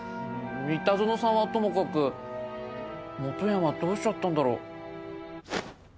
三田園さんはともかくもとやんはどうしちゃったんだろう？